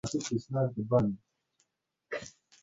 ښوروا مې کړه.